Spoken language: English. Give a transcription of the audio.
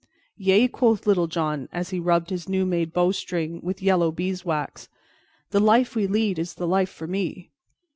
'" "Yea," quoth Little John, as he rubbed his new made bowstring with yellow beeswax, "the life we lead is the life for me.